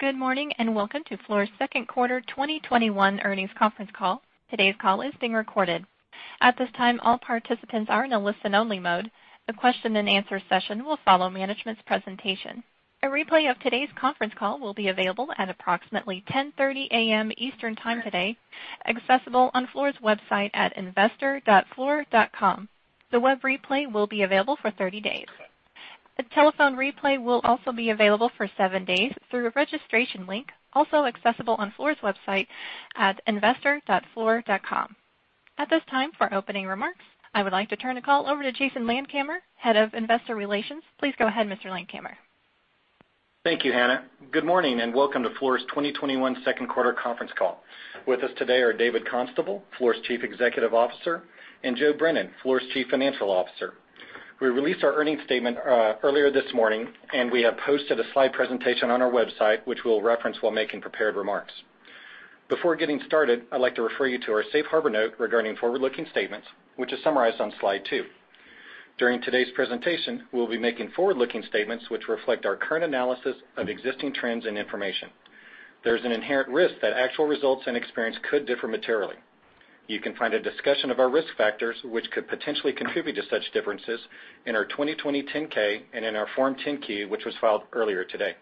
Good morning, welcome to Fluor's second quarter 2021 earnings conference call. Today's call is being recorded. At this time, all participants are in a listen-only mode. The question and answer session will follow management's presentation. A replay of today's conference call will be available at approximately 10:30 A.M. Eastern Time today, accessible on Fluor's website at investor.fluor.com. The web replay will be available for 30 days. A telephone replay will also be available for seven days through a registration link, also accessible on Fluor's website at investor.fluor.com. At this time, for opening remarks, I would like to turn the call over to Jason Landkamer, Head of Investor Relations. Please go ahead, Mr. Landkamer. Thank you, Hannah. Good morning and welcome to Fluor's 2021 second quarter conference call. With us today are David Constable, Fluor's Chief Executive Officer, and Joe Brennan, Fluor's Chief Financial Officer. We released our earnings statement earlier this morning, and we have posted a slide presentation on our website, which we'll reference while making prepared remarks. Before getting started, I'd like to refer you to our Safe Harbor note regarding forward-looking statements, which is summarized on slide two. During today's presentation, we'll be making forward-looking statements which reflect our current analysis of existing trends and information. There is an inherent risk that actual results and experience could differ materially. You can find a discussion of our risk factors, which could potentially contribute to such differences, in our 2020 10-K and in our Form 10-Q, which was filed earlier today.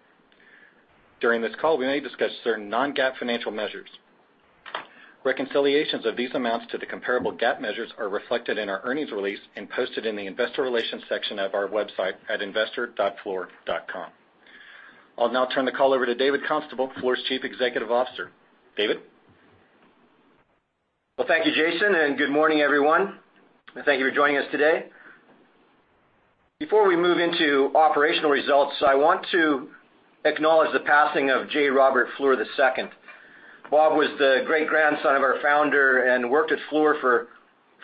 During this call, we may discuss certain non-GAAP financial measures. Reconciliations of these amounts to the comparable GAAP measures are reflected in our earnings release and posted in the investor relations section of our website at investor.fluor.com. I'll now turn the call over to David Constable, Fluor's Chief Executive Officer. David? Well, thank you, Jason, and good morning, everyone. Thank you for joining us today. Before we move into operational results, I want to acknowledge the passing of J. Robert Fluor II. Bob was the great-grandson of our founder and worked at Fluor for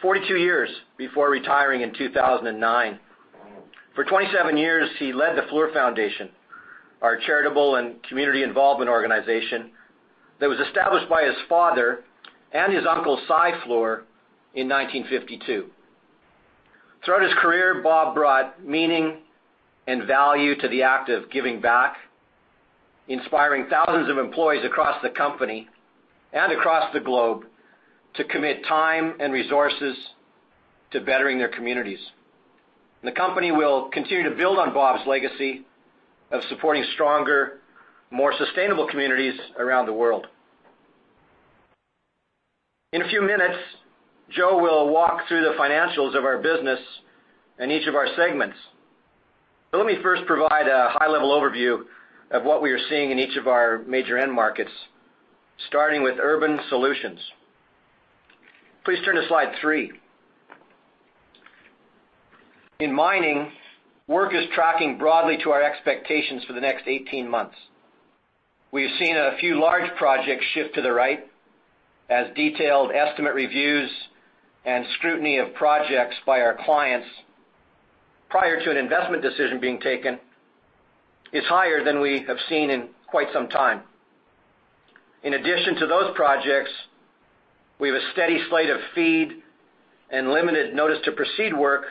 42 years before retiring in 2009. For 27 years, he led the Fluor Foundation, our charitable and community involvement organization, that was established by his father and his uncle, Sy Fluor, in 1952. Throughout his career, Bob brought meaning and value to the act of giving back, inspiring thousands of employees across the company and across the globe to commit time and resources to bettering their communities. The company will continue to build on Bob's legacy of supporting stronger, more sustainable communities around the world. In a few minutes, Joe will walk through the financials of our business in each of our segments. Let me first provide a high-level overview of what we are seeing in each of our major end markets, starting with Urban Solutions. Please turn to slide 3. In mining, work is tracking broadly to our expectations for the next 18 months. We have seen a few large projects shift to the right as detailed estimate reviews and scrutiny of projects by our clients, prior to an investment decision being taken, is higher than we have seen in quite some time. In addition to those projects, we have a steady slate of FEED and limited notice-to-proceed work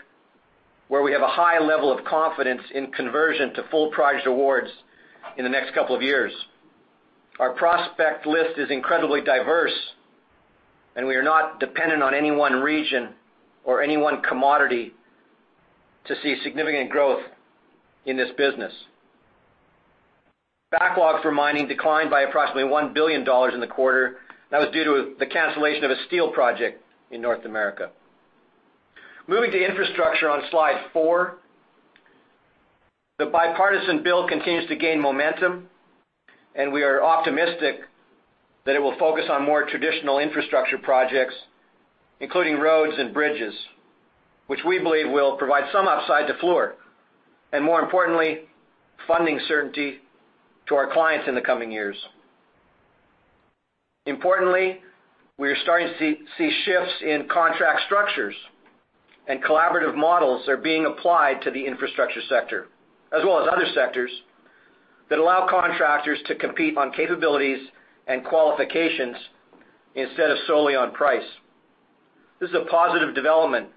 where we have a high level of confidence in conversion to full project awards in the next couple of years. Our prospect list is incredibly diverse, and we are not dependent on any one region or any one commodity to see significant growth in this business. Backlog for mining declined by approximately $1 billion in the quarter. That was due to the cancellation of a steel project in North America. Moving to infrastructure on slide four. The bipartisan bill continues to gain momentum, and we are optimistic that it will focus on more traditional infrastructure projects, including roads and bridges, which we believe will provide some upside to Fluor, and more importantly, funding certainty to our clients in the coming years. Importantly, we are starting to see shifts in contract structures and collaborative models that are being applied to the infrastructure sector, as well as other sectors, that allow contractors to compete on capabilities and qualifications instead of solely on price. This is a positive development,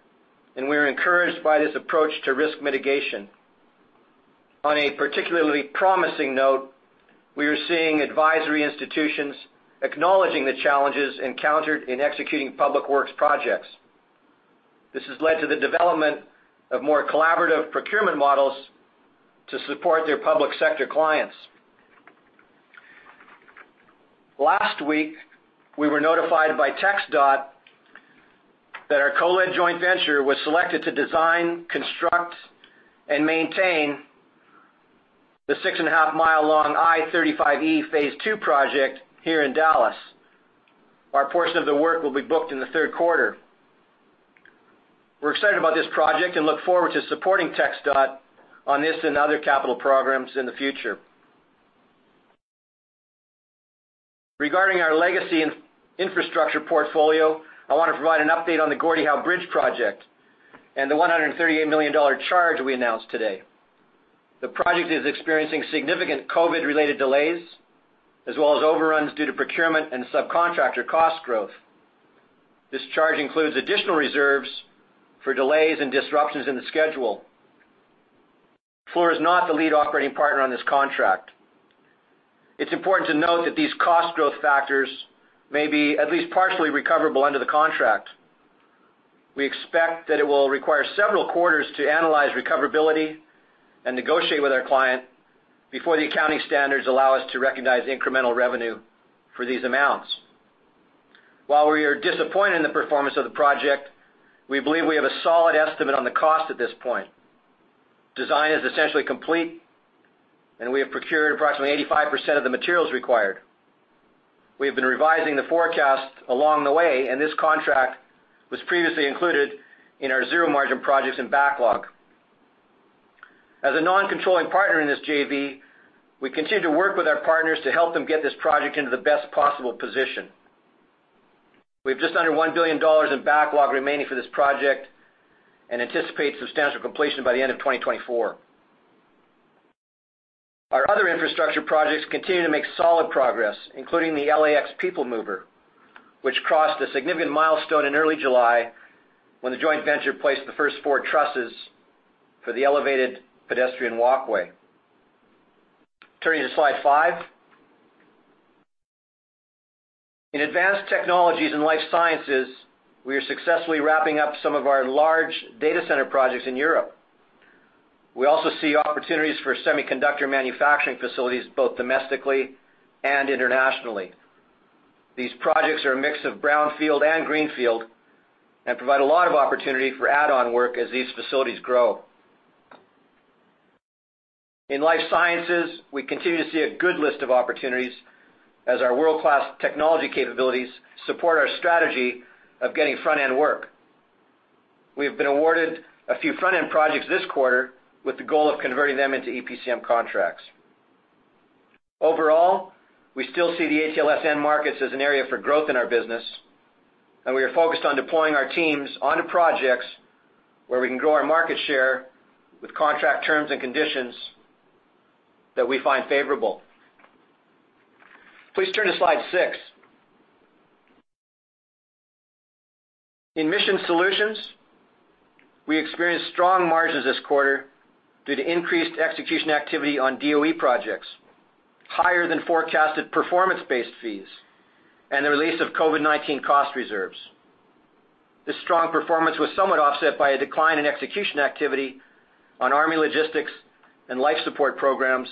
and we are encouraged by this approach to risk mitigation. On a particularly promising note, we are seeing advisory institutions acknowledging the challenges encountered in executing public works projects. This has led to the development of more collaborative procurement models to support their public sector clients. Last week, we were notified by TxDOT that our co-led joint venture was selected to design, construct, and maintain the six and a half mile long I-35E Phase 2 project here in Dallas. Our portion of the work will be booked in the third quarter. We're excited about this project and look forward to supporting TxDOT on this and other capital programs in the future. Regarding our legacy infrastructure portfolio, I want to provide an update on the Gordie Howe Bridge project and the $138 million charge we announced today. The project is experiencing significant COVID-related delays, as well as overruns due to procurement and subcontractor cost growth. This charge includes additional reserves for delays and disruptions in the schedule. Fluor is not the lead operating partner on this contract. It's important to note that these cost growth factors may be at least partially recoverable under the contract. We expect that it will require several quarters to analyze recoverability and negotiate with our client before the accounting standards allow us to recognize incremental revenue for these amounts. While we are disappointed in the performance of the project, we believe we have a solid estimate on the cost at this point. Design is essentially complete, and we have procured approximately 85% of the materials required. We have been revising the forecast along the way, and this contract was previously included in our zero margin projects in backlog. As a non-controlling partner in this JV, we continue to work with our partners to help them get this project into the best possible position. We have just under $1 billion in backlog remaining for this project and anticipate substantial completion by the end of 2024. Our other infrastructure projects continue to make solid progress, including the LAX People Mover, which crossed a significant milestone in early July when the joint venture placed the first four trusses for the elevated pedestrian walkway. Turning to slide five. In Advanced Technologies and Life Sciences, we are successfully wrapping up some of our large data center projects in Europe. We also see opportunities for semiconductor manufacturing facilities, both domestically and internationally. These projects are a mix of brownfield and greenfield and provide a lot of opportunity for add-on work as these facilities grow. In Life Sciences, we continue to see a good list of opportunities as our world-class technology capabilities support our strategy of getting front-end work. We have been awarded a few front-end projects this quarter with the goal of converting them into EPCM contracts. We still see the ATLS markets as an area for growth in our business, and we are focused on deploying our teams onto projects where we can grow our market share with contract terms and conditions that we find favorable. Please turn to slide six. In Mission Solutions, we experienced strong margins this quarter due to increased execution activity on DOE projects, higher than forecasted performance-based fees, and the release of COVID-19 cost reserves. This strong performance was somewhat offset by a decline in execution activity on Army logistics and life support programs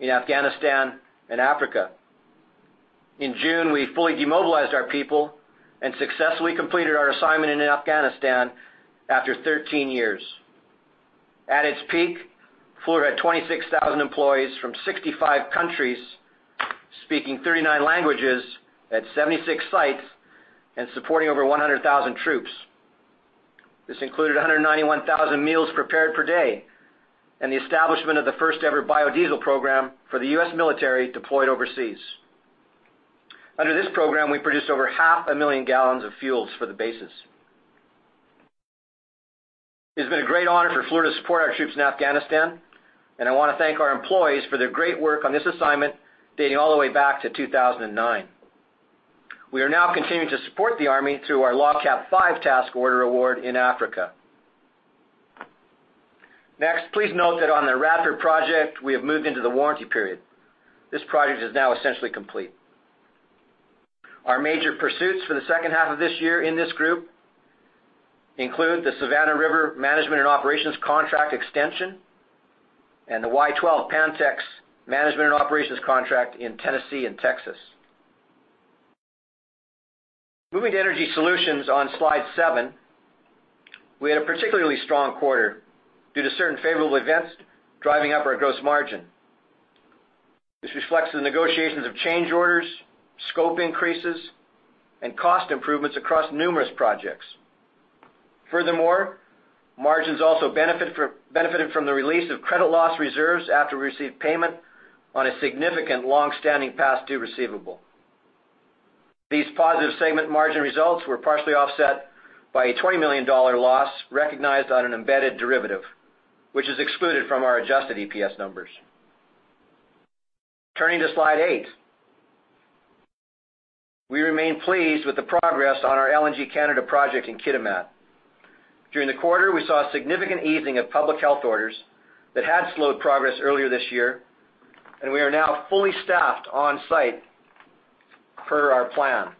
in Afghanistan and Africa. In June, we fully demobilized our people and successfully completed our assignment in Afghanistan after 13 years. At its peak, Fluor had 26,000 employees from 65 countries, speaking 39 languages at 76 sites and supporting over 100,000 troops. This included 191,000 meals prepared per day and the establishment of the first-ever biodiesel program for the U.S. military deployed overseas. Under this program, we produced over half a million gallons of fuels for the bases. It's been a great honor for Fluor to support our troops in Afghanistan, and I want to thank our employees for their great work on this assignment, dating all the way back to 2009. We are now continuing to support the Army through our LOGCAP 5 task order award in Africa. Next, please note that on the RAPID project, we have moved into the warranty period. This project is now essentially complete. Our major pursuits for the second half of this year in this group include the Savannah River Management and Operations contract extension and the Y-12 Pantex Management and Operations contract in Tennessee and Texas. Moving to Energy Solutions on slide seven, we had a particularly strong quarter due to certain favorable events driving up our gross margin. This reflects the negotiations of change orders, scope increases, and cost improvements across numerous projects. Furthermore, margins also benefited from the release of credit loss reserves after we received payment on a significant long-standing past-due receivable. These positive segment margin results were partially offset by a $20 million loss recognized on an embedded derivative, which is excluded from our adjusted EPS numbers. Turning to slide eight. We remain pleased with the progress on our LNG Canada project in Kitimat. During the quarter, we saw a significant easing of public health orders that had slowed progress earlier this year, and we are now fully staffed on-site per our plan.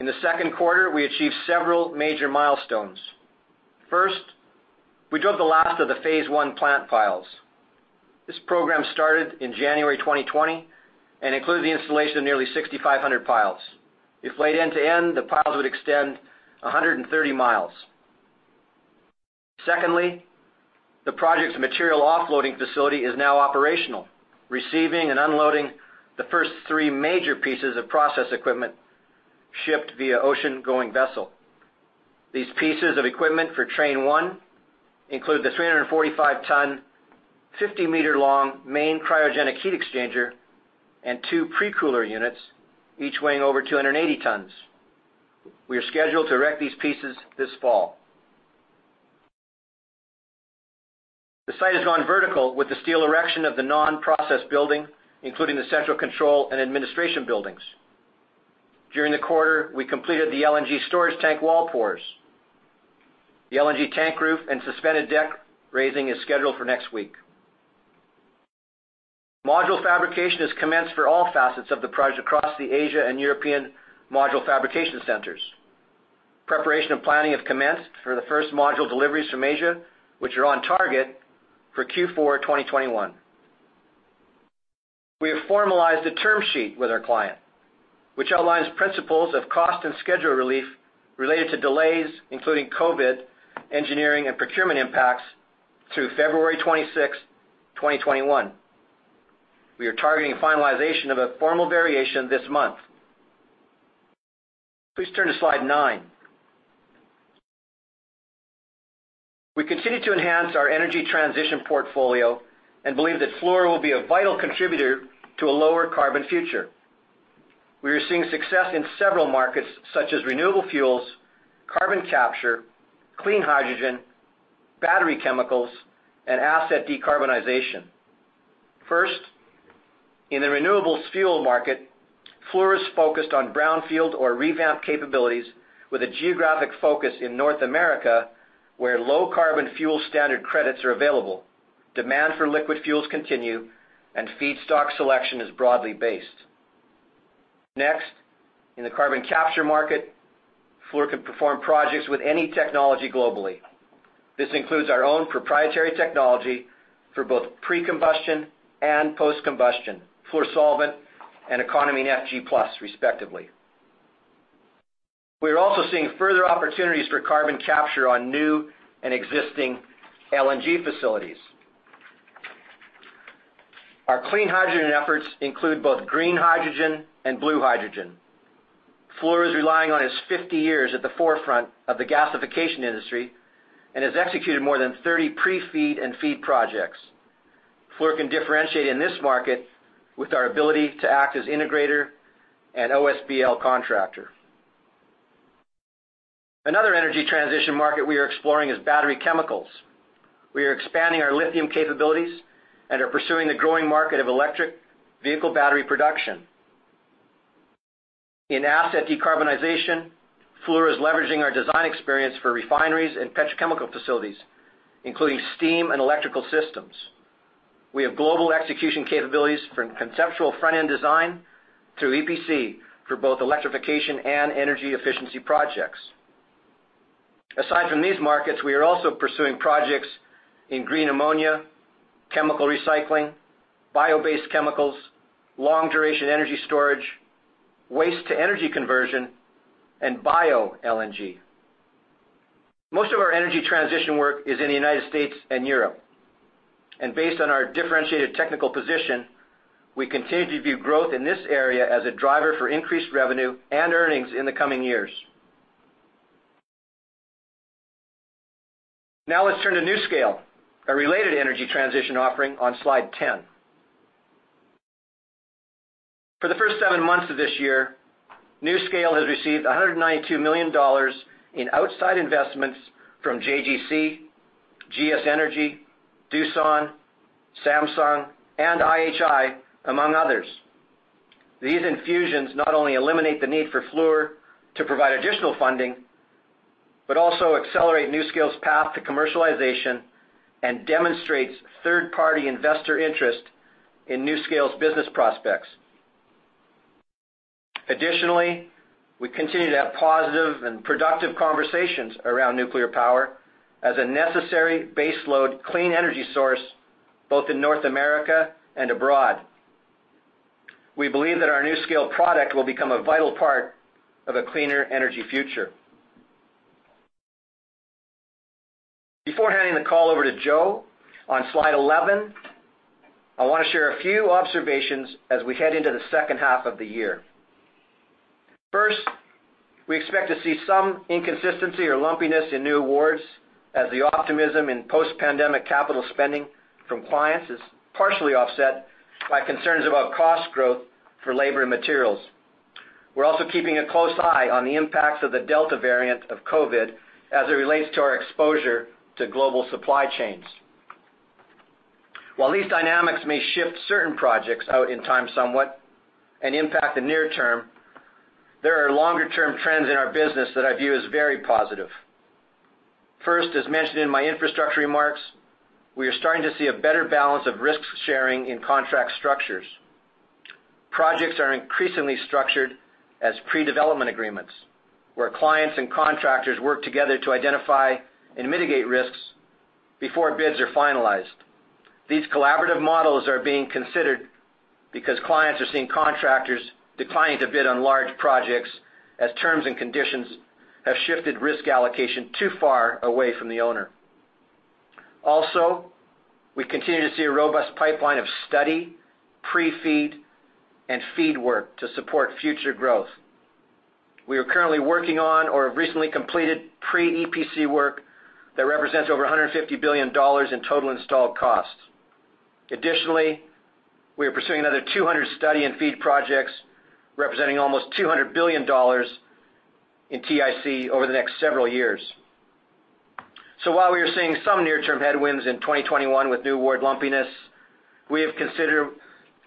In the second quarter, we achieved several major milestones. First, we drove the last of the phase I plant piles. This program started in January 2020 and includes the installation of nearly 6,500 piles. If laid end to end, the piles would extend 130 mi. Secondly, the project's material offloading facility is now operational, receiving and unloading the first three major pieces of process equipment shipped via oceangoing vessel. These pieces of equipment for train one include the 345-ton, 50-meter-long main cryogenic heat exchanger and two pre-cooler units, each weighing over 280 tons. We are scheduled to erect these pieces this fall. The site has gone vertical with the steel erection of the non-process building, including the central control and administration buildings. During the quarter, we completed the LNG storage tank wall pours. The LNG tank roof and suspended deck raising is scheduled for next week. Module fabrication has commenced for all facets of the project across the Asia and European module fabrication centers. Preparation and planning have commenced for the first module deliveries from Asia, which are on target for Q4 2021. We have formalized a term sheet with our client, which outlines principles of cost and schedule relief related to delays, including COVID, engineering, and procurement impacts through February 26, 2021. We are targeting finalization of a formal variation this month. Please turn to slide nine. We continue to enhance our energy transition portfolio and believe that Fluor will be a vital contributor to a lower carbon future. We are seeing success in several markets such as renewable fuels, carbon capture, clean hydrogen, battery chemicals, and asset decarbonization. In the renewables fuel market, Fluor is focused on brownfield or revamp capabilities with a geographic focus in North America, where Low Carbon Fuel Standard credits are available. Demand for liquid fuels continues, feedstock selection is broadly based. In the carbon capture market, Fluor can perform projects with any technology globally. This includes our own proprietary technology for both pre-combustion and post-combustion, Fluor Solvent and Econamine FG+ respectively. We are also seeing further opportunities for carbon capture on new and existing LNG facilities. Our clean hydrogen efforts include both green hydrogen and blue hydrogen. Fluor is relying on its 50 years at the forefront of the gasification industry and has executed more than 30 pre-FEED and FEED projects. Fluor can differentiate in this market with our ability to act as integrator and OSBL contractor. Another energy transition market we are exploring is battery chemicals. We are expanding our lithium capabilities and are pursuing the growing market of electric vehicle battery production. In asset decarbonization, Fluor is leveraging our design experience for refineries and petrochemical facilities, including steam and electrical systems. We have global execution capabilities from conceptual front-end design through EPC for both electrification and energy efficiency projects. Aside from these markets, we are also pursuing projects in green ammonia, chemical recycling, bio-based chemicals, long duration energy storage, waste to energy conversion, and bio-LNG. Most of our energy transition work is in the U.S. and Europe. Based on our differentiated technical position, we continue to view growth in this area as a driver for increased revenue and earnings in the coming years. Now let's turn to NuScale, a related energy transition offering on slide 10. For the first seven months of this year, NuScale has received $192 million in outside investments from JGC, GS Energy, Doosan, Samsung, and IHI, among others. These infusions not only eliminate the need for Fluor to provide additional funding, but also accelerate NuScale's path to commercialization and demonstrates third-party investor interest in NuScale's business prospects. Additionally, we continue to have positive and productive conversations around nuclear power as a necessary base load clean energy source, both in North America and abroad. We believe that our NuScale product will become a vital part of a cleaner energy future. Before handing the call over to Joe, on slide 11, I want to share a few observations as we head into the second half of the year. First, we expect to see some inconsistency or lumpiness in new awards as the optimism in post-pandemic capital spending from clients is partially offset by concerns about cost growth for labor and materials. We're also keeping a close eye on the impacts of the Delta variant of COVID as it relates to our exposure to global supply chains. While these dynamics may shift certain projects out in time somewhat and impact the near term, there are longer-term trends in our business that I view as very positive. First, as mentioned in my infrastructure remarks, we are starting to see a better balance of risk sharing in contract structures. Projects are increasingly structured as pre-development agreements, where clients and contractors work together to identify and mitigate risks before bids are finalized. These collaborative models are being considered because clients are seeing contractors declining to bid on large projects as terms and conditions have shifted risk allocation too far away from the owner. We continue to see a robust pipeline of study, pre-FEED, and FEED work to support future growth. We are currently working on or have recently completed pre-EPC work that represents over $150 billion in total installed costs. Additionally, we are pursuing another 200 study and FEED projects, representing almost $200 billion in TIC over the next several years. While we are seeing some near-term headwinds in 2021 with new award lumpiness, we have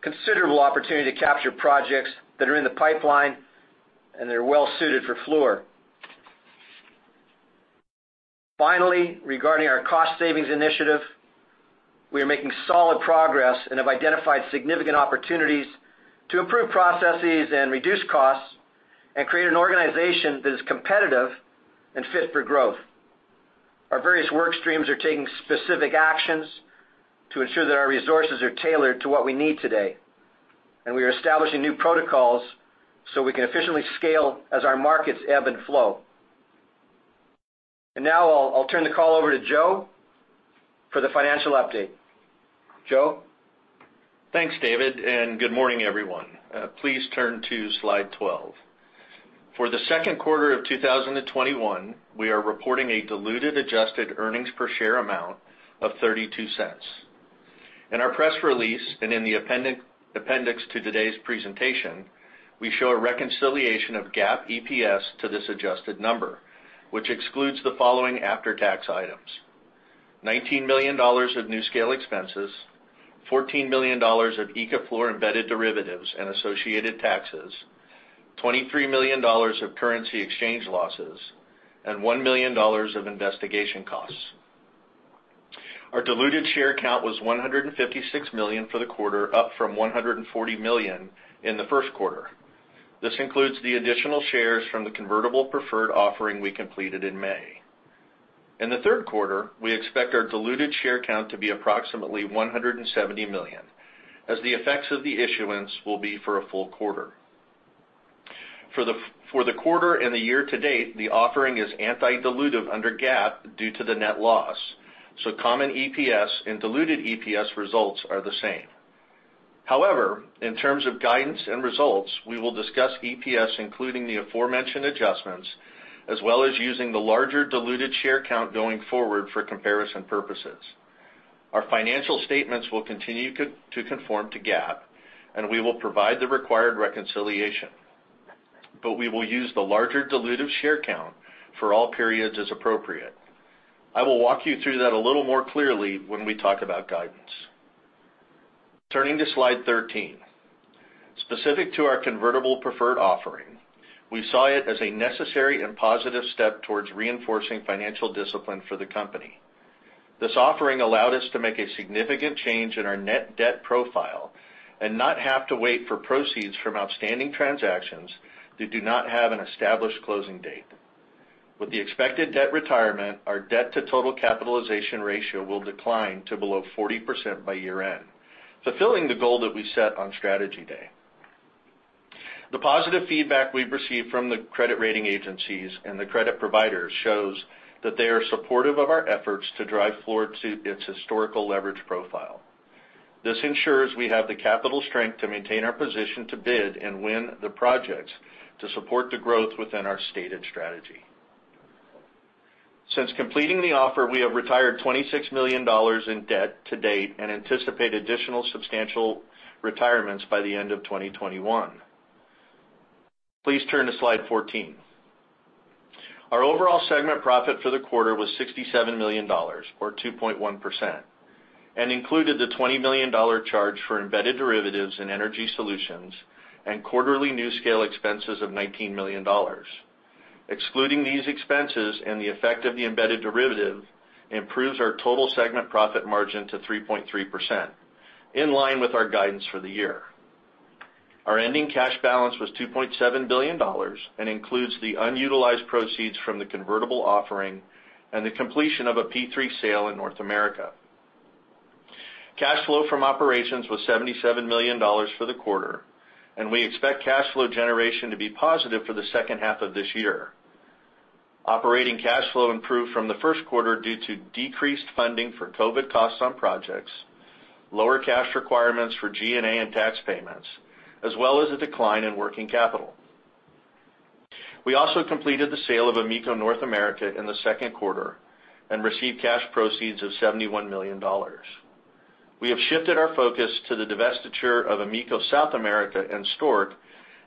considerable opportunity to capture projects that are in the pipeline, and that are well-suited for Fluor. Finally, regarding our cost savings initiative, we are making solid progress and have identified significant opportunities to improve processes and reduce costs and create an organization that is competitive and fit for growth. Our various work streams are taking specific actions to ensure that our resources are tailored to what we need today, and we are establishing new protocols so we can efficiently scale as our markets ebb and flow. Now I'll turn the call over to Joe for the financial update. Joe? Thanks, David, and good morning, everyone. Please turn to slide 12. For the second quarter of 2021, we are reporting a diluted adjusted earnings per share amount of $0.32. In our press release, and in the appendix to today's presentation, we show a reconciliation of GAAP EPS to this adjusted number, which excludes the following after-tax items: $19 million of NuScale expenses, $14 million of ICA Fluor embedded derivatives and associated taxes, $23 million of currency exchange losses, and $1 million of investigation costs. Our diluted share count was 156 million for the quarter, up from 140 million in the first quarter. This includes the additional shares from the convertible preferred offering we completed in May. In the third quarter, we expect our diluted share count to be approximately 170 million, as the effects of the issuance will be for a full quarter. For the quarter and the year to date, the offering is anti-dilutive under GAAP due to the net loss. Common EPS and diluted EPS results are the same. In terms of guidance and results, we will discuss EPS, including the aforementioned adjustments, as well as using the larger diluted share count going forward for comparison purposes. Our financial statements will continue to conform to GAAP, and we will provide the required reconciliation, but we will use the larger dilutive share count for all periods as appropriate. I will walk you through that a little more clearly when we talk about guidance. Turning to slide 13. Specific to our convertible preferred offering, we saw it as a necessary and positive step towards reinforcing financial discipline for the company. This offering allowed us to make a significant change in our net debt profile and not have to wait for proceeds from outstanding transactions that do not have an established closing date. With the expected debt retirement, our debt to total capitalization ratio will decline to below 40% by year end, fulfilling the goal that we set on Strategy Day. The positive feedback we've received from the credit rating agencies and the credit providers shows that they are supportive of our efforts to drive Fluor to its historical leverage profile. This ensures we have the capital strength to maintain our position to bid and win the projects to support the growth within our stated strategy. Since completing the offer, we have retired $26 million in debt to date and anticipate additional substantial retirements by the end of 2021. Please turn to slide 14. Our overall segment profit for the quarter was $67 million, or 2.1%, and included the $20 million charge for embedded derivatives in Energy Solutions and quarterly NuScale expenses of $19 million. Excluding these expenses and the effect of the embedded derivative improves our total segment profit margin to 3.3%, in line with our guidance for the year. Our ending cash balance was $2.7 billion and includes the unutilized proceeds from the convertible offering and the completion of a P3 sale in North America. Cash flow from operations was $77 million for the quarter, and we expect cash flow generation to be positive for the second half of this year. Operating cash flow improved from the first quarter due to decreased funding for COVID costs on projects, lower cash requirements for G&A and tax payments, as well as a decline in working capital. We also completed the sale of AMECO North America in the second quarter and received cash proceeds of $71 million. We have shifted our focus to the divestiture of AMECO South America and Stork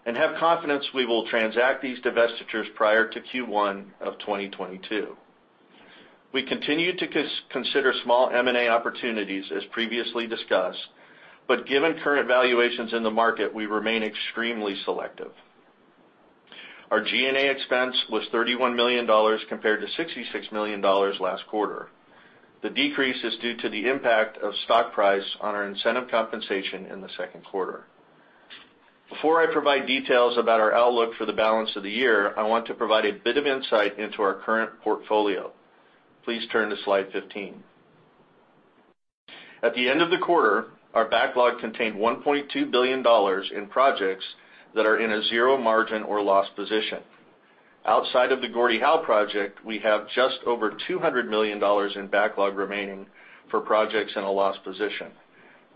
and have confidence we will transact these divestitures prior to Q1 of 2022. We continue to consider small M&A opportunities, as previously discussed, but given current valuations in the market, we remain extremely selective. Our G&A expense was $31 million, compared to $66 million last quarter. The decrease is due to the impact of stock price on our incentive compensation in the second quarter. Before I provide details about our outlook for the balance of the year, I want to provide a bit of insight into our current portfolio. Please turn to slide 15. At the end of the quarter, our backlog contained $1.2 billion in projects that are in a zero margin or loss position. Outside of the Gordie Howe project, we have just over $200 million in backlog remaining for projects in a loss position,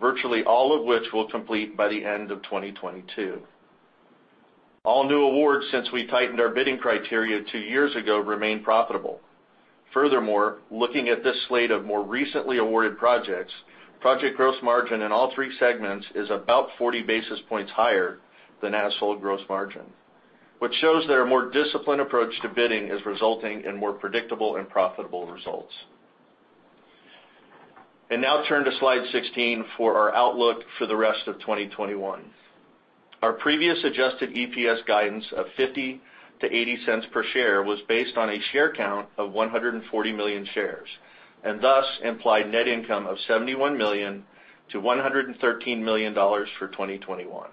virtually all of which will complete by the end of 2022. All new awards since we tightened our bidding criteria two years ago remain profitable. Looking at this slate of more recently awarded projects, project gross margin in all three segments is about 40 basis points higher than as-sold gross margin, which shows that a more disciplined approach to bidding is resulting in more predictable and profitable results. Now turn to slide 16 for our outlook for the rest of 2021. Our previous adjusted EPS guidance of $0.50 to $0.80 per share was based on a share count of 140 million shares, thus implied net income of $71 million to $113 million for 2021.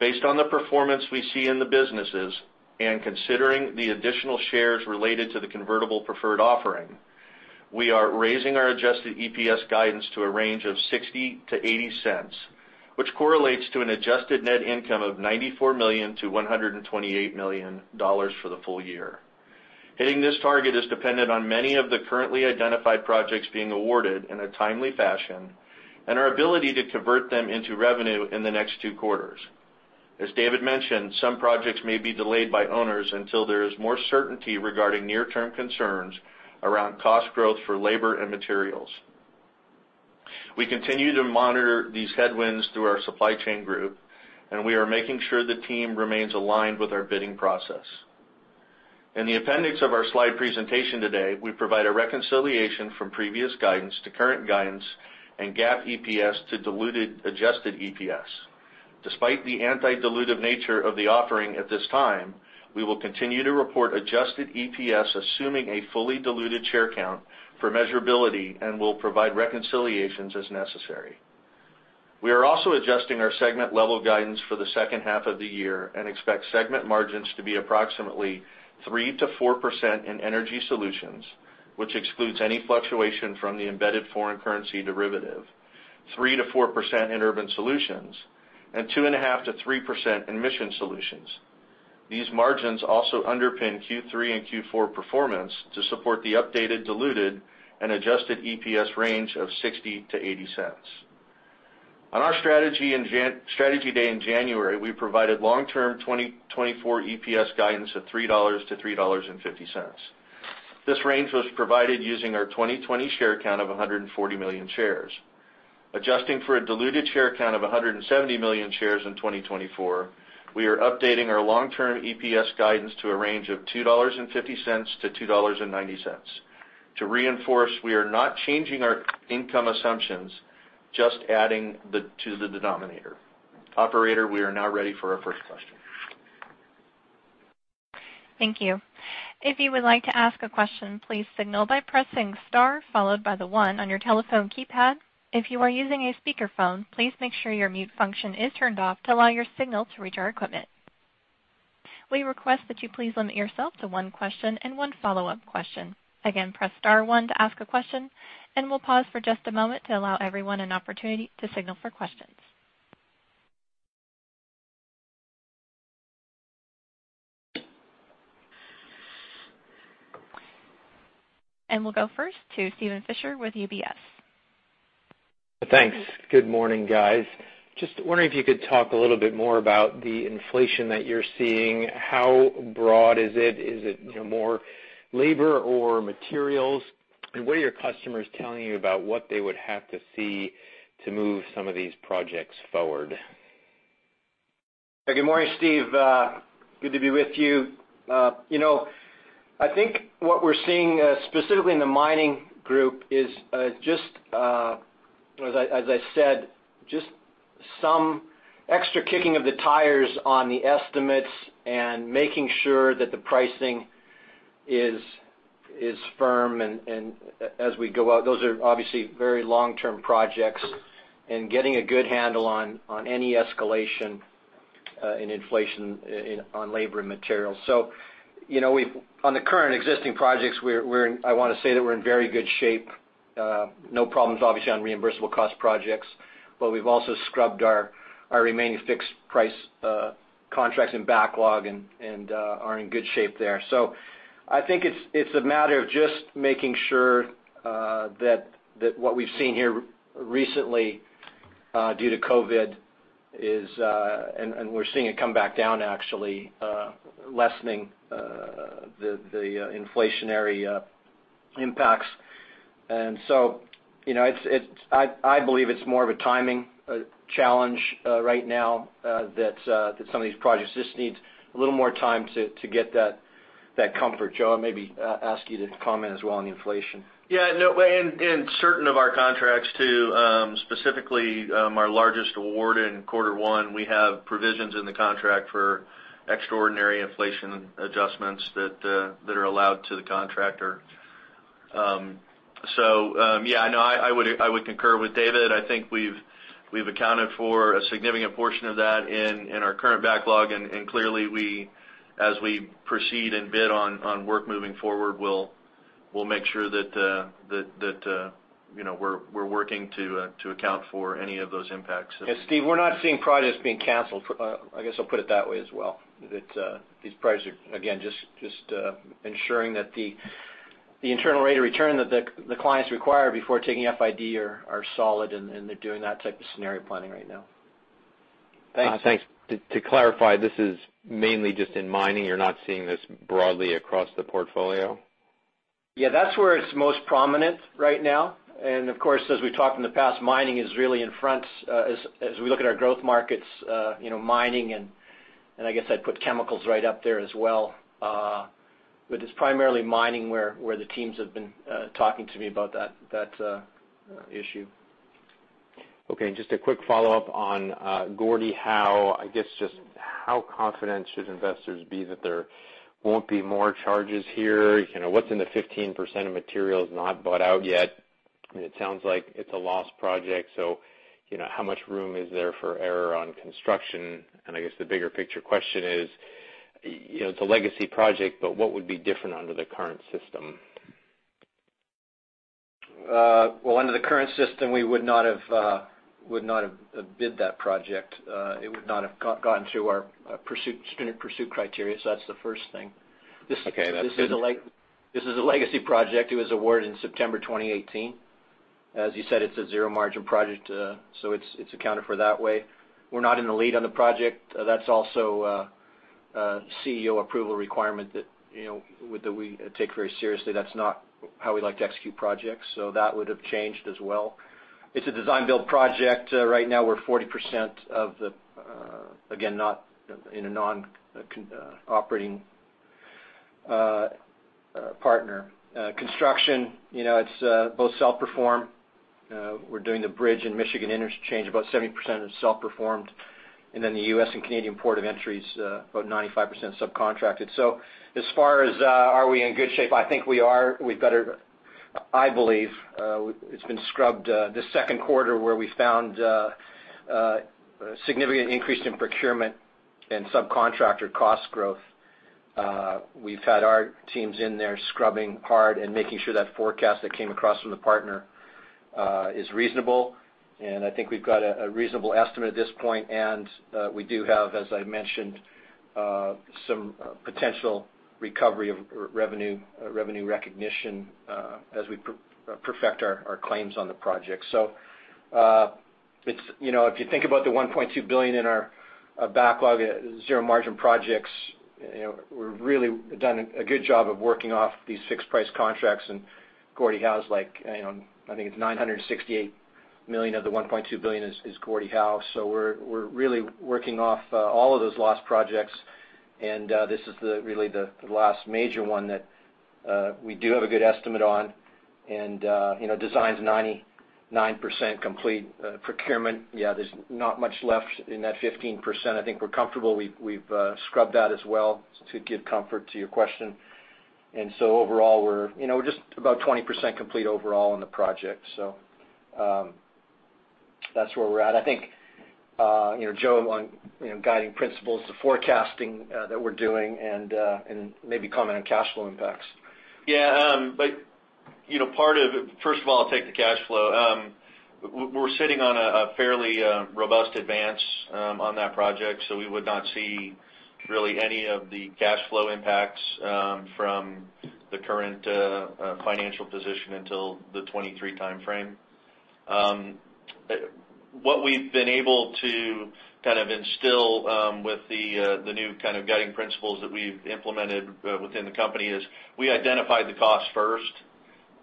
Based on the performance we see in the businesses, and considering the additional shares related to the convertible preferred offering, we are raising our adjusted EPS guidance to a range of $0.60-$0.80, which correlates to an adjusted net income of $94 million-$128 million for the full year. Hitting this target is dependent on many of the currently identified projects being awarded in a timely fashion and our ability to convert them into revenue in the next two quarters. As David mentioned, some projects may be delayed by owners until there is more certainty regarding near-term concerns around cost growth for labor and materials. We continue to monitor these headwinds through our supply chain group, and we are making sure the team remains aligned with our bidding process. In the appendix of our slide presentation today, we provide a reconciliation from previous guidance to current guidance and GAAP EPS to diluted adjusted EPS. Despite the anti-dilutive nature of the offering at this time, we will continue to report adjusted EPS, assuming a fully diluted share count for measurability and will provide reconciliations as necessary. We are also adjusting our segment-level guidance for the second half of the year and expect segment margins to be approximately 3%-4% in Energy Solutions, which excludes any fluctuation from the embedded foreign currency derivative, 3%-4% in Urban Solutions, and 2.5%-3% in Mission Solutions. These margins also underpin Q3 and Q4 performance to support the updated diluted and adjusted EPS range of $0.60-$0.80. On our Strategy Day in January, we provided long-term 2024 EPS guidance of $3-$3.50. This range was provided using our 2020 share count of 140 million shares. Adjusting for a diluted share count of 170 million shares in 2024, we are updating our long-term EPS guidance to a range of $2.50-$2.90. To reinforce, we are not changing our income assumptions, just adding to the denominator. Operator, we are now ready for our first question. Thank you. If you would like to ask a question, please signal by pressing star followed by the one on your telephone keypad. If you are using a speakerphone, please make sure your mute function is turned off to allow your signal to reach our equipment. We request that you please limit yourself to one question and one follow-up question. Again, press star one to ask a question, and we'll pause for just a moment to allow everyone an opportunity to signal for questions. And we'll go first to Steven Fisher with UBS. Thanks. Good morning, guys. Just wondering if you could talk a little bit more about the inflation that you're seeing. How broad is it? Is it more labor or materials? What are your customers telling you about what they would have to see to move some of these projects forward? Good morning, Steve. Good to be with you. I think what we're seeing specifically in the mining group is, as I said, just some extra kicking of the tires on the estimates and making sure that the pricing is firm and as we go out. Those are obviously very long-term projects and getting a good handle on any escalation in inflation on labor and materials. On the current existing projects, I want to say that we're in very good shape. No problems obviously on reimbursable cost projects, but we've also scrubbed our remaining fixed-price contracts and backlog and are in good shape there. I think it's a matter of just making sure that what we've seen here recently due to COVID is, and we're seeing it come back down actually, lessening the inflationary impacts. I believe it's more of a timing challenge right now, that some of these projects just need a little more time to get that comfort. Joe, I maybe ask you to comment as well on inflation. Yeah, no, in certain of our contracts, too, specifically our largest award in quarter one, we have provisions in the contract for extraordinary inflation adjustments that are allowed to the contractor. Yeah, no, I would concur with David. I think we've accounted for a significant portion of that in our current backlog. Clearly as we proceed and bid on work moving forward, we'll make sure that we're working to account for any of those impacts. Steve, we're not seeing projects being canceled. I guess I'll put it that way as well, that these projects are, again, just ensuring that the internal rate of return that the clients require before taking FID are solid, and they're doing that type of scenario planning right now. Thanks. Thanks. To clarify, this is mainly just in mining, you're not seeing this broadly across the portfolio? Yeah, that's where it's most prominent right now. Of course, as we've talked in the past, mining is really in front as we look at our growth markets, mining and I guess I'd put chemicals right up there as well. It's primarily mining where the teams have been talking to me about that issue. Okay, just a quick follow-up on Gordie Howe. I guess just how confident should investors be that there won't be more charges here? What's in the 15% of materials not bought out yet? It sounds like it's a lost project, so how much room is there for error on construction? I guess the bigger picture question is, it's a legacy project, but what would be different under the current system? Well, under the current system, we would not have bid that project. It would not have gotten through our stringent pursuit criteria, so that's the first thing. Okay, that's good. This is a legacy project. It was awarded in September 2018. As you said, it's a zero margin project, it's accounted for that way. We're not in the lead on the project. That's also a CEO approval requirement that we take very seriously. That's not how we like to execute projects. That would have changed as well. It's a design build project. Right now, we're 40% of the, again, in a non-operating partner. Construction, it's both self-performed. We're doing the bridge in Michigan interchange, about 70% is self-performed. The U.S. and Canadian port of entry is about 95% subcontracted. As far as are we in good shape, I think we are. I believe it's been scrubbed this second quarter where we found a significant increase in procurement and subcontractor cost growth. We've had our teams in there scrubbing hard and making sure that forecast that came across from the partner is reasonable. I think we've got a reasonable estimate at this point. We do have, as I mentioned, some potential recovery of revenue recognition as we perfect our claims on the project. If you think about the $1.2 billion in our backlog, zero margin projects, we've really done a good job of working off these fixed price contracts and Gordie Howe's like, I think it's $968 million of the $1.2 billion is Gordie Howe. We're really working off all of those lost projects, and this is really the last major one that we do have a good estimate on. Design's 99% complete. Procurement, yeah, there's not much left in that 15%. I think we're comfortable. We've scrubbed that as well to give comfort to your question. Overall, we're just about 20% complete overall on the project. That's where we're at. I think, Joe, on guiding principles, the forecasting that we're doing and maybe comment on cash flow impacts. Yeah. First of all, I'll take the cash flow. We're sitting on a fairly robust advance on that project, so we would not see really any of the cash flow impacts from the current financial position until the 2023 timeframe. What we've been able to instill with the new kind of guiding principles that we've implemented within the company is we identified the cost first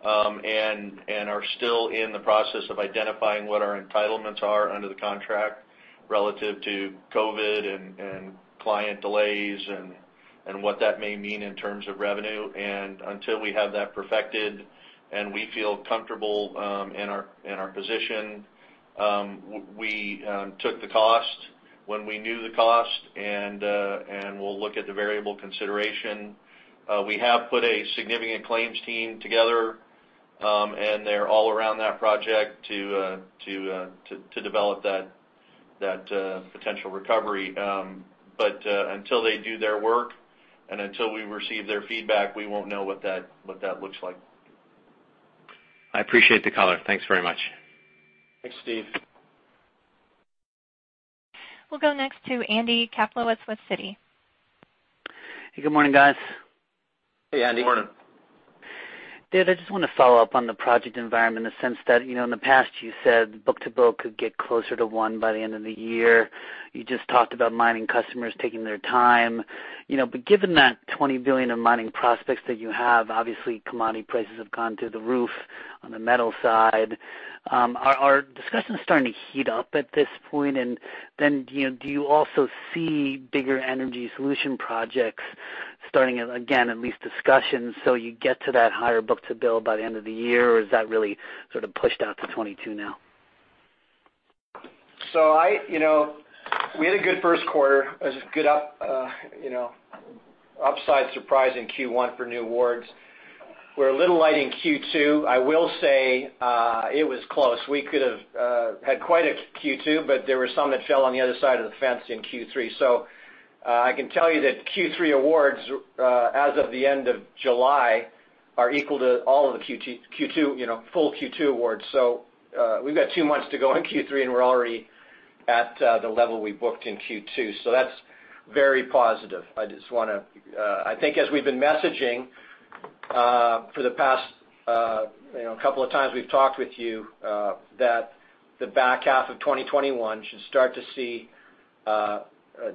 and are still in the process of identifying what our entitlements are under the contract relative to COVID and client delays and what that may mean in terms of revenue. Until we have that perfected and we feel comfortable in our position, we took the cost when we knew the cost, and we'll look at the variable consideration. We have put a significant claims team together, and they're all around that project to develop that potential recovery. Until they do their work and until we receive their feedback, we won't know what that looks like. I appreciate the color. Thanks very much. Thanks, Steve. We'll go next to Andy Kaplowitz with Citi. Hey, good morning, guys. Hey, Andy. Good morning. David, I just want to follow up on the project environment in the sense that, in the past you said book-to-bill could get closer to one by the end of the year. You just talked about mining customers taking their time. Given that $20 billion of mining prospects that you have, obviously commodity prices have gone through the roof on the metal side. Are discussions starting to heat up at this point? Do you also see bigger Energy Solutions projects starting again, at least discussions, so you get to that higher book-to-bill by the end of the year? Is that really sort of pushed out to 2022 now? We had a good first quarter. It was a good upside surprise in Q1 for new awards. We're a little light in Q2. I will say it was close. We could have had quite a Q2, but there were some that fell on the other side of the fence in Q3. I can tell you that Q3 awards as of the end of July are equal to all of the full Q2 awards. We've got two months to go in Q3 and we're already at the level we booked in Q2. That's very positive. I think as we've been messaging for the past couple of times we've talked with you, that the back half of 2021 should start to see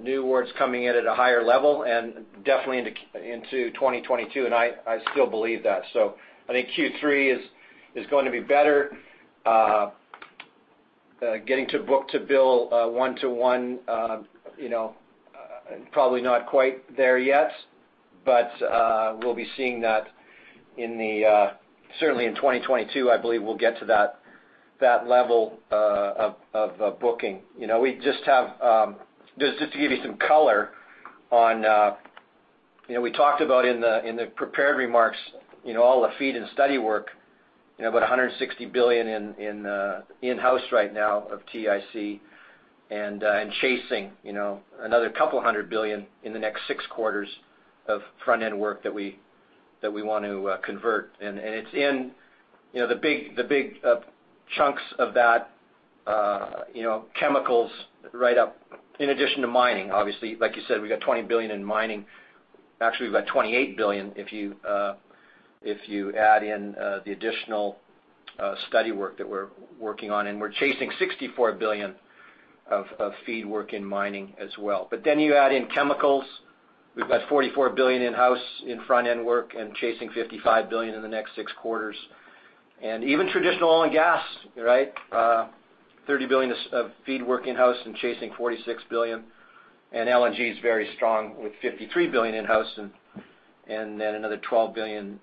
new awards coming in at a higher level and definitely into 2022, and I still believe that. I think Q3 is going to be better. Getting to book-to-bill 1:1, probably not quite there yet, but we'll be seeing that certainly in 2022, I believe we'll get to that level of booking. Just to give you some color on we talked about in the prepared remarks, all the FEED and study work, about $160 billion in house right now of TIC and chasing another $200 billion in the next six quarters of front-end work that we want to convert. The big chunks of that, chemicals right up, in addition to mining, obviously. Like you said, we got $20 billion in mining. Actually, we've got $28 billion if you add in the additional study work that we're working on, and we're chasing $64 billion of FEED work in mining as well. You add in chemicals, we've got $44 billion in house in front-end work and chasing $55 billion in the next six quarters. Even traditional oil and gas. $30 billion of FEED work in house and chasing $46 billion. LNG is very strong with $53 billion in house and then another $12 billion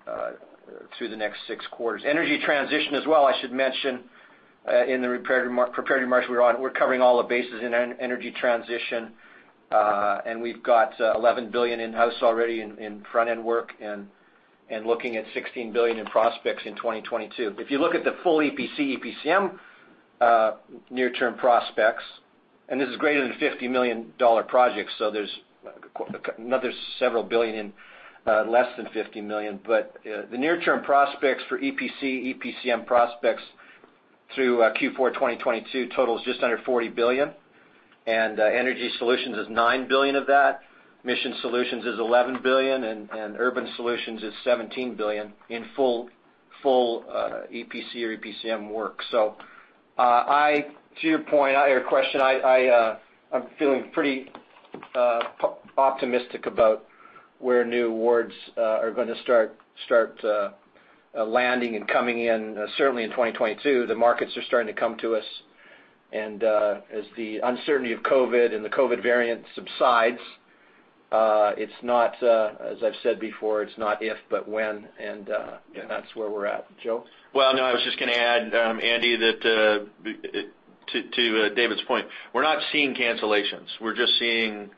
through the next six quarters. Energy transition as well, I should mention, in the prepared remarks, we're covering all the bases in energy transition. We've got $11 billion in house already in front-end work and looking at $16 billion in prospects in 2022. If you look at the full EPC, EPCM near-term prospects, this is greater than $50 million projects, so there's another several billion in less than $50 million. The near-term prospects for EPC, EPCM prospects through Q4 2022 totals just under $40 billion. Energy Solutions is $9 billion of that. Mission Solutions is $11 billion, and Urban Solutions is $17 billion in full EPC or EPCM work. To your question, I'm feeling pretty optimistic about where new awards are going to start landing and coming in, certainly in 2022. The markets are starting to come to us. As the uncertainty of COVID and the COVID variant subsides, as I've said before, it's not if, but when, and that's where we're at. Joe? Well, no, I was just going to add, Andy, that to David's point, we're not seeing cancellations. We're just seeing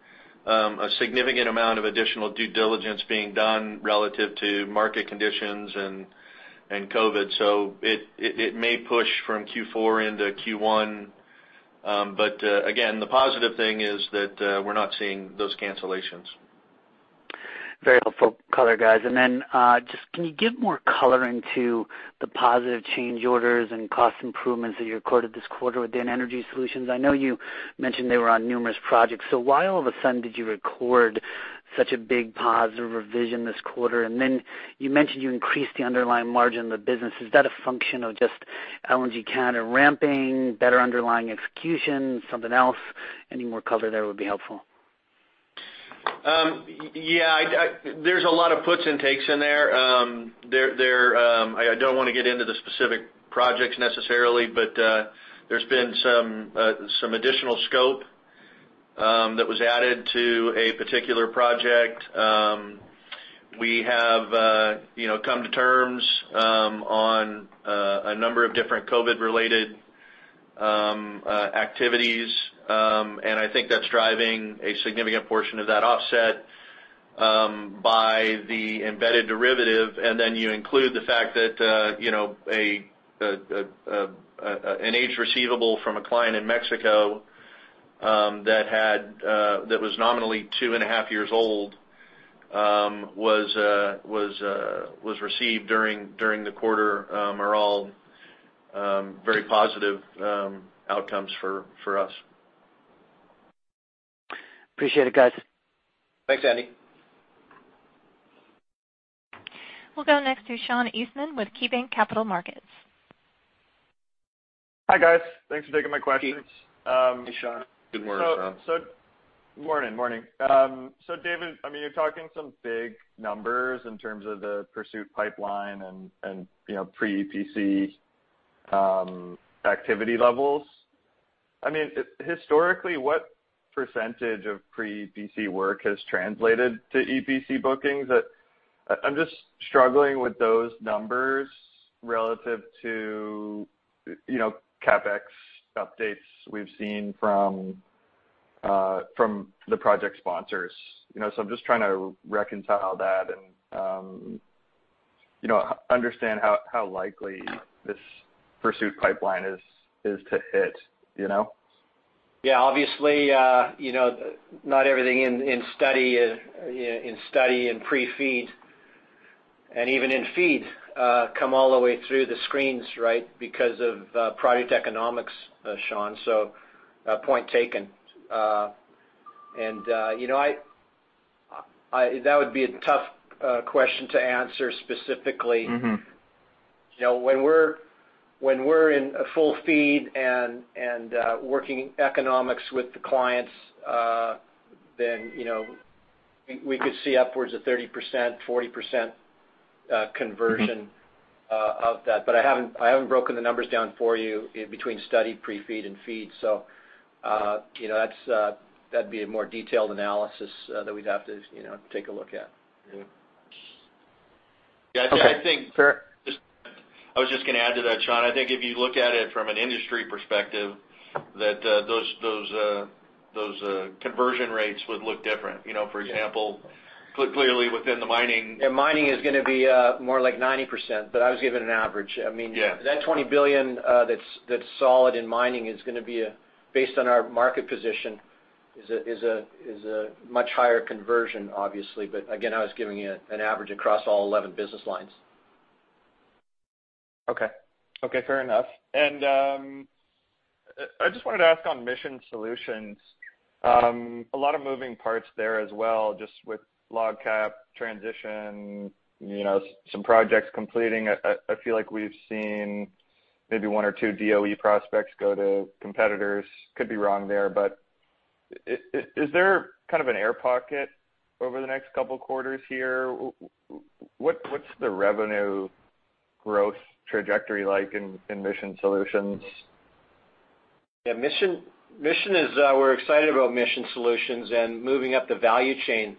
a significant amount of additional due diligence being done relative to market conditions and COVID. It may push from Q4 into Q1. Again, the positive thing is that we're not seeing those cancellations. Very helpful color, guys. Just can you give more color into the positive change orders and cost improvements that you recorded this quarter within Energy Solutions? I know you mentioned they were on numerous projects, so why all of a sudden did you record such a big positive revision this quarter? You mentioned you increased the underlying margin of the business. Is that a function of just LNG Canada ramping, better underlying execution, something else? Any more color there would be helpful. Yeah. There's a lot of puts and takes in there. I don't want to get into the specific projects necessarily, but there's been some additional scope that was added to a particular project. We have come to terms on a number of different COVID-related activities. I think that's driving a significant portion of that offset by the embedded derivative. You include the fact that an age receivable from a client in Mexico that was nominally two and a half years old was received during the quarter, are all very positive outcomes for us. Appreciate it, guys. Thanks, Andy. We'll go next to Sean Eastman with KeyBanc Capital Markets. Hi, guys. Thanks for taking my questions. Hey, Sean. Good morning, Sean. Morning. David, you're talking some big numbers in terms of the pursuit pipeline and pre-EPC activity levels. Historically, what percentage of pre-EPC work has translated to EPC bookings? I'm just struggling with those numbers relative to CapEx updates we've seen from the project sponsors. I'm just trying to reconcile that and understand how likely this pursuit pipeline is to hit. Yeah. Obviously, not everything in study and pre-FEED and even in FEED, come all the way through the screens, right, because of product economics, Sean. Point taken. That would be a tough question to answer specifically. When we're in a full FEED and working economics with the clients, then we could see upwards of 30%, 40% conversion of that. I haven't broken the numbers down for you between study, pre-FEED, and FEED. That'd be a more detailed analysis that we'd have to take a look at. Yeah. Okay, fair. I was just going to add to that, Sean. I think if you look at it from an industry perspective, those conversion rates would look different. For example, clearly within the mining. Yeah, mining is going to be more like 90%, but I was giving an average. Yeah. That $20 billion that's solid in mining is going to be, based on our market position, is a much higher conversion, obviously. Again, I was giving you an average across all 11 business lines. Okay. Fair enough. I just wanted to ask on Mission Solutions, a lot of moving parts there as well, just with LOGCAP transition, some projects completing. I feel like we've seen maybe one or two DOE prospects go to competitors. Could be wrong there, is there kind of an air pocket over the next couple quarters here? What's the revenue growth trajectory like in Mission Solutions? We're excited about Mission Solutions and moving up the value chain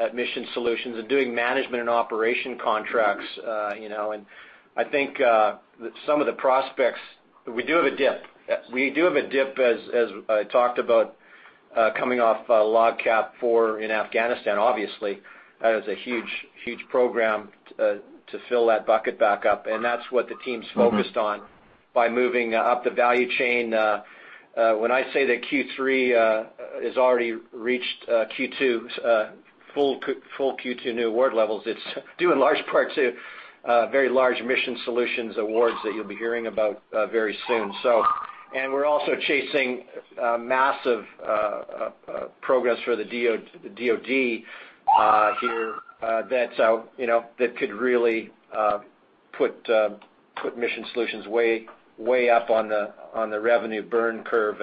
at Mission Solutions and doing management and operation contracts. I think some of the prospects, we do have a dip. We do have a dip, as I talked about coming off LOGCAP 4 in Afghanistan, obviously. That is a huge program to fill that bucket back up, and that's what the team's focused on by moving up the value chain. When I say that Q3 has already reached Q2's full Q2 new award levels, it's due in large part to very large Mission Solutions awards that you'll be hearing about very soon. We're also chasing massive progress for the DoD here that could really put Mission Solutions way up on the revenue burn curve.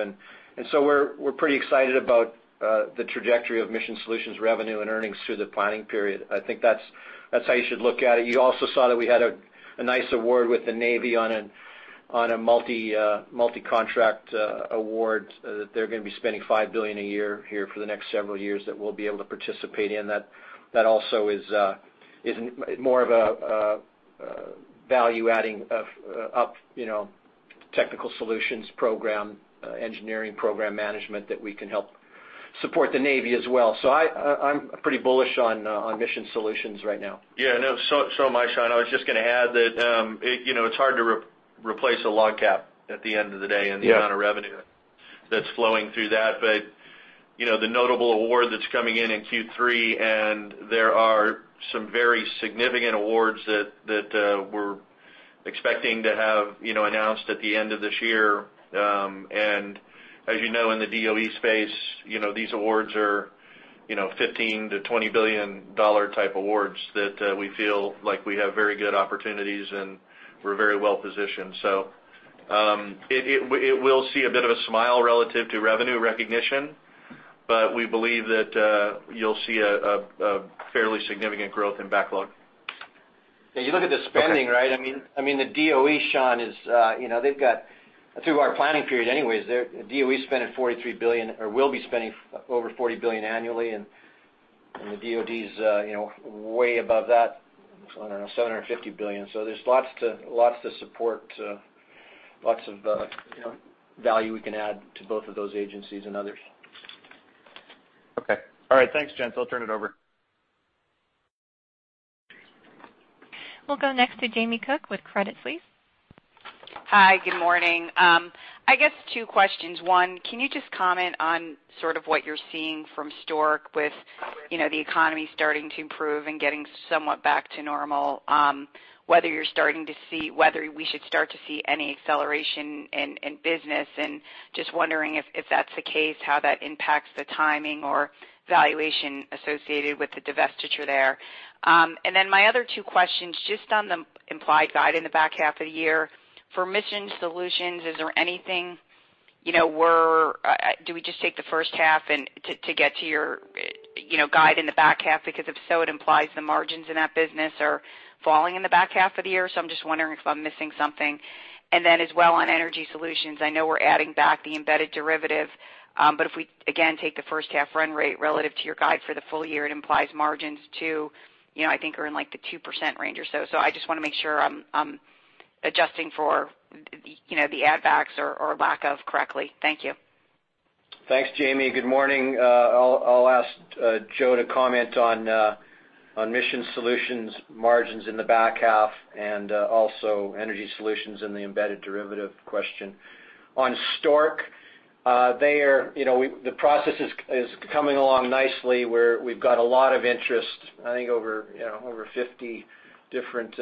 We're pretty excited about the trajectory of Mission Solutions revenue and earnings through the planning period. I think that's how you should look at it. You also saw that we had a nice award with the Navy on a multi-contract award that they're going to be spending $5 billion a year here for the next several years that we'll be able to participate in. That also is more of a value adding up technical solutions program, engineering program management that we can help support the Navy as well. I'm pretty bullish on Mission Solutions right now. Yeah, no. Am I, Sean. I was just going to add that it's hard to replace a LOGCAP at the end of the day. Yeah. The amount of revenue that's flowing through that. The notable award that's coming in in Q3, and there are some very significant awards that we're expecting to have announced at the end of this year. As you know, in the DOE space, these awards are $15 billion-$20 billion type awards that we feel like we have very good opportunities, and we're very well-positioned. It will see a bit of a smile relative to revenue recognition, but we believe that you'll see a fairly significant growth in backlog. You look at the spending, right? The DOE, Sean, through our planning period anyways, DOE's spending $43 billion, or will be spending over $40 billion annually, and the DoD's way above that. I don't know, $750 billion. There's lots to support, lots of value we can add to both of those agencies and others. Okay. All right. Thanks, gents. I'll turn it over. We'll go next to Jamie Cook with Credit Suisse. Hi, good morning. I guess two questions. One, can you just comment on sort of what you're seeing from Stork with the economy starting to improve and getting somewhat back to normal, whether we should start to see any acceleration in business, and just wondering if that's the case, how that impacts the timing or valuation associated with the divestiture there? My other two questions, just on the implied guide in the back half of the year. For Mission Solutions, is there anything, do we just take the first half to get to your guide in the back half? If so, it implies the margins in that business are falling in the back half of the year. I'm just wondering if I'm missing something. As well on Energy Solutions, I know we're adding back the embedded derivative, if we, again, take the first half run rate relative to your guide for the full year, it implies margins too, I think are in like the 2% range or so. I just want to make sure I'm adjusting for the add backs or lack of correctly. Thank you. Thanks, Jamie. Good morning. I'll ask Joe to comment on Mission Solutions margins in the back half and also Energy Solutions and the embedded derivative question. On Stork, the process is coming along nicely where we've got a lot of interest. I think over 50 different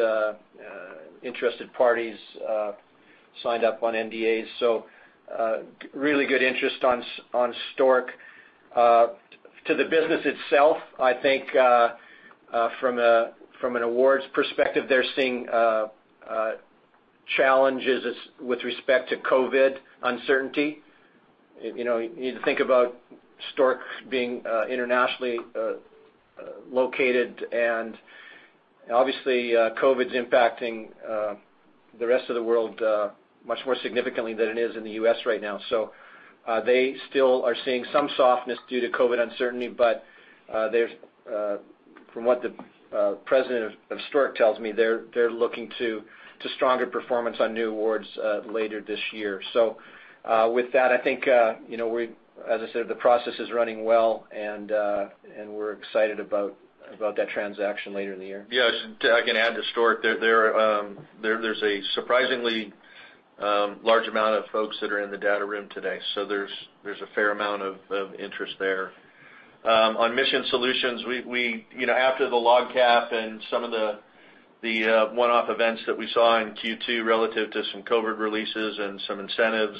interested parties signed up on NDAs. Really good interest on Stork. To the business itself, I think from an awards perspective, they're seeing challenges with respect to COVID uncertainty. You need to think about Stork being internationally located, and obviously COVID's impacting the rest of the world much more significantly than it is in the U.S. right now. They still are seeing some softness due to COVID uncertainty, but from what the president of Stork tells me, they're looking to stronger performance on new awards later this year. With that, I think as I said, the process is running well, and we're excited about that transaction later in the year. Yes. I can add to Stork. There's a surprisingly large amount of folks that are in the data room today. There's a fair amount of interest there. On Mission Solutions, after the LOGCAP and some of the one-off events that we saw in Q2 relative to some COVID releases and some incentives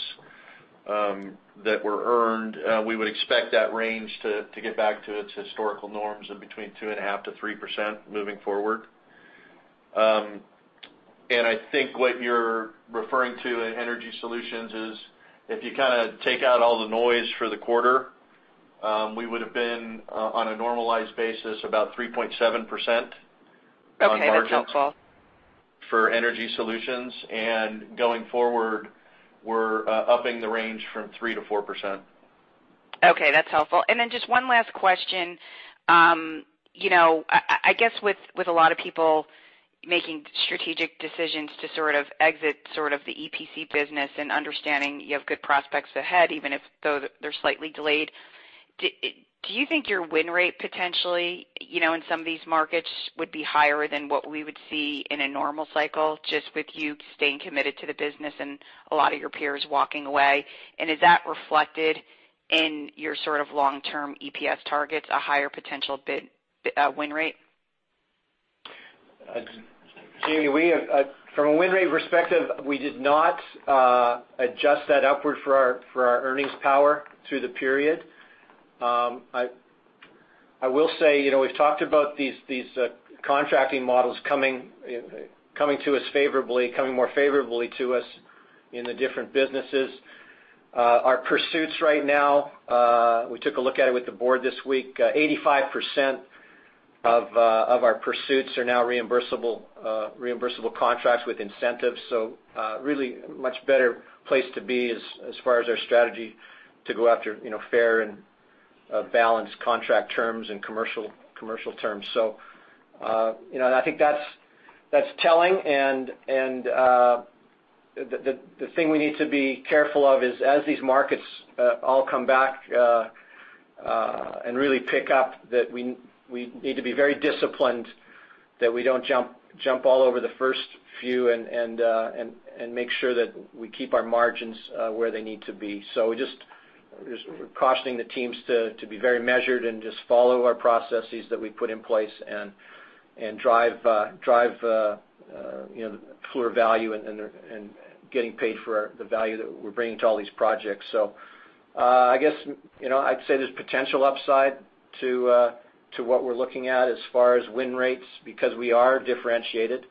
that were earned, we would expect that range to get back to its historical norms of between 2.5%-3% moving forward. I think what you're referring to in Energy Solutions is if you take out all the noise for the quarter, we would've been, on a normalized basis, about 3.7% on margins. Okay. That's helpful. For Energy Solutions. Going forward, we're upping the range from 3%-4%. Okay. That's helpful. Then just one last question. I guess with a lot of people making strategic decisions to exit the EPC business and understanding you have good prospects ahead, even if though they're slightly delayed, do you think your win rate potentially in some of these markets would be higher than what we would see in a normal cycle, just with you staying committed to the business and a lot of your peers walking away? Is that reflected in your long-term EPS targets, a higher potential win rate? Jamie, from a win rate perspective, we did not adjust that upward for our earnings power through the period. I will say, we've talked about these contracting models coming more favorably to us in the different businesses. Our pursuits right now, we took a look at it with the board this week. 85% of our pursuits are now reimbursable contracts with incentives. Really much better place to be as far as our strategy to go after fair and balanced contract terms and commercial terms. I think that's telling, and the thing we need to be careful of is as these markets all come back and really pick up, that we need to be very disciplined, that we don't jump all over the first few, and make sure that we keep our margins where they need to be. We're just cautioning the teams to be very measured and just follow our processes that we put in place and drive fuller value and getting paid for the value that we're bringing to all these projects. I guess I'd say there's potential upside to what we're looking at as far as win rates because we are differentiated.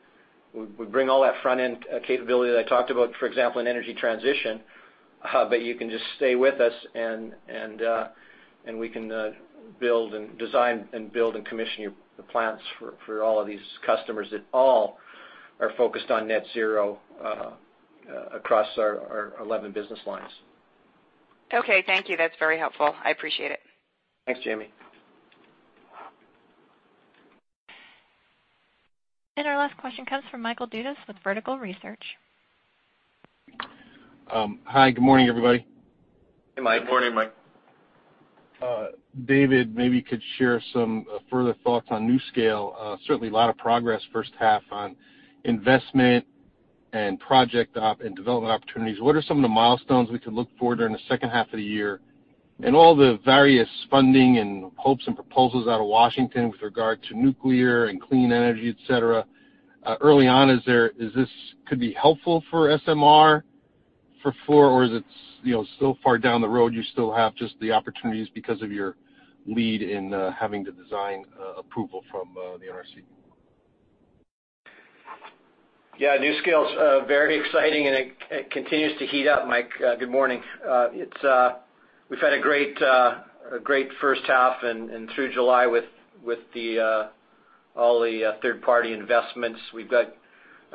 We bring all that front-end capability that I talked about, for example, in energy transition. You can just stay with us, and we can design and build and commission the plants for all of these customers that all are focused on net zero across our 11 business lines. Okay. Thank you. That's very helpful. I appreciate it. Thanks, Jamie. Our last question comes from Michael Dudas with Vertical Research. Hi. Good morning, everybody. Hey, Mike. Good morning, Mike. David, maybe you could share some further thoughts on NuScale. Certainly a lot of progress first half on investment and project op and development opportunities. What are some of the milestones we could look for during the second half of the year? In all the various funding and hopes and proposals out of Washington with regard to nuclear and clean energy, et cetera, early on, this could be helpful for SMR for Fluor? Is it still far down the road, you still have just the opportunities because of your lead in having the design approval from the NRC? Yeah. NuScale's very exciting, and it continues to heat up, Mike. Good morning. We've had a great first half and through July with all the third-party investments. We've got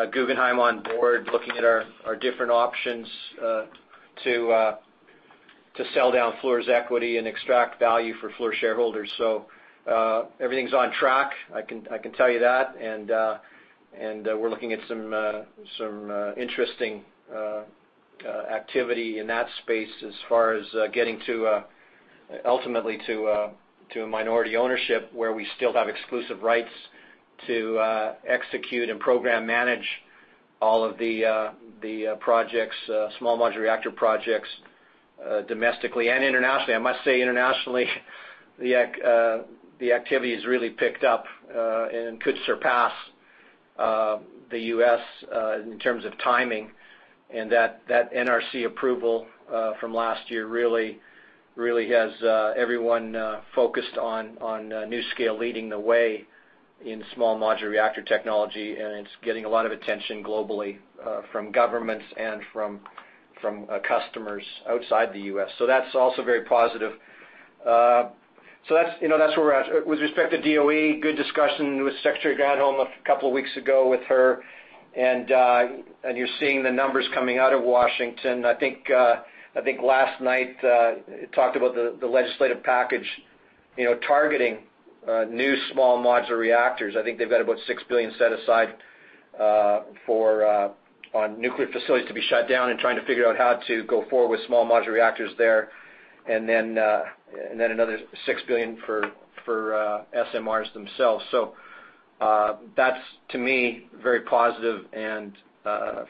Guggenheim on board looking at our different options to sell down Fluor's equity and extract value for Fluor shareholders. Everything's on track, I can tell you that, and we're looking at some interesting activity in that space as far as getting ultimately to a minority ownership where we still have exclusive rights to execute and program manage all of the Small Modular Reactor projects domestically and internationally. I must say, internationally, the activity has really picked up and could surpass the U.S. in terms of timing, and that NRC approval from last year really has everyone focused on NuScale leading the way in small modular reactor technology, and it's getting a lot of attention globally from governments and from customers outside the U.S. That's also very positive. That's where we're at. With respect to DOE, good discussion with Secretary Granholm a couple of weeks ago with her, and you're seeing the numbers coming out of Washington. I think last night, talked about the legislative package targeting new small modular reactors. I think they've got about $6 billion set aside on nuclear facilities to be shut down and trying to figure out how to go forward with small modular reactors there, and then another $6 billion for SMRs themselves. That's, to me, very positive, and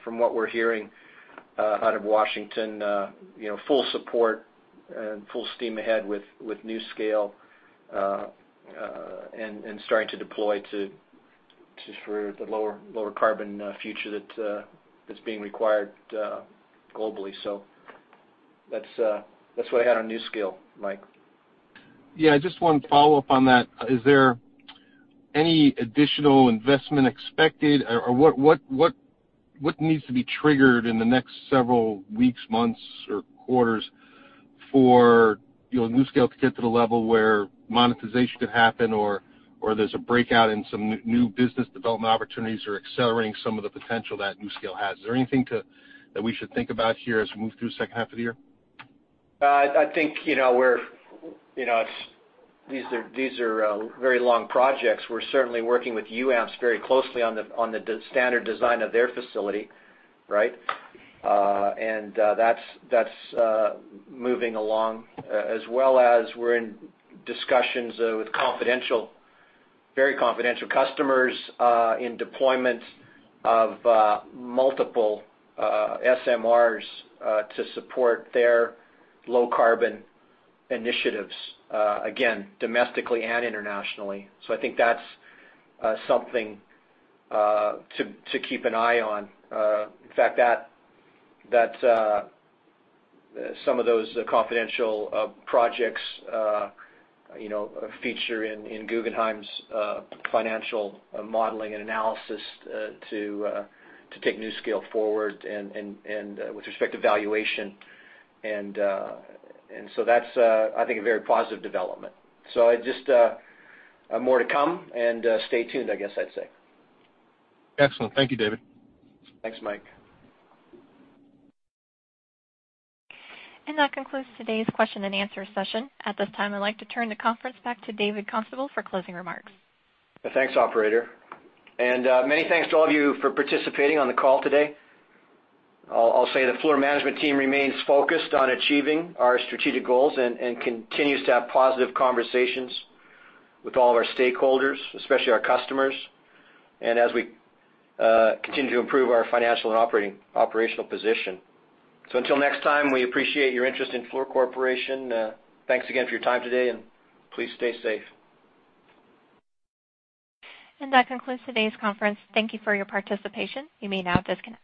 from what we're hearing out of Washington, full support and full steam ahead with NuScale and starting to deploy for the lower carbon future that's being required globally. That's what I had on NuScale, Mike. Yeah, just one follow-up on that. Is there any additional investment expected? What needs to be triggered in the next several weeks, months, or quarters for NuScale to get to the level where monetization could happen or there's a breakout in some new business development opportunities or accelerating some of the potential that NuScale has? Is there anything that we should think about here as we move through second half of the year? I think these are very long projects. We're certainly working with UAMPS very closely on the standard design of their facility. Right? That's moving along as well as we're in discussions with very confidential customers in deployment of multiple SMRs to support their low-carbon initiatives, again, domestically and internationally. I think that's something to keep an eye on. In fact, some of those confidential projects feature in Guggenheim's financial modeling and analysis to take NuScale forward and with respect to valuation. That's, I think, a very positive development. Just more to come and stay tuned, I guess I'd say. Excellent. Thank you, David. Thanks, Michael. That concludes today's question and answer session. At this time, I'd like to turn the conference back to David Constable for closing remarks. Thanks, operator, and many thanks to all of you for participating on the call today. I'll say the Fluor management team remains focused on achieving our strategic goals and continues to have positive conversations with all of our stakeholders, especially our customers, and as we continue to improve our financial and operational position. Until next time, we appreciate your interest in Fluor Corporation. Thanks again for your time today, and please stay safe. And that concludes today's conference. Thank you for your participation. You may now disconnect.